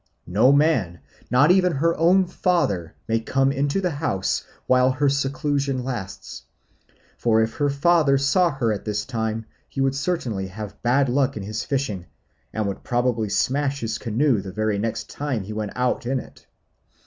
No man, not even her own father, may come into the house while her seclusion lasts; for if her father saw her at this time he would certainly have bad luck in his fishing, and would probably smash his canoe the very next time he went out in it.